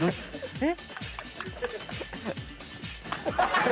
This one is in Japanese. えっ？